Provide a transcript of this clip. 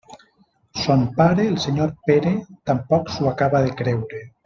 Son pare, el senyor Pere, tampoc s'ho acaba de creure.